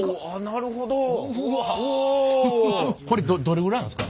これどれぐらいなんですか？